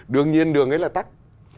đương nhiên đường ấy là tắt